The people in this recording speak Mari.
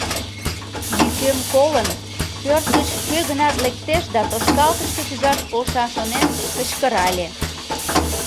Йӱкем колын, пӧрт гыч кӧ-гынат лектеш да тошкалтышке кӱзаш полша шонен, кычкырале.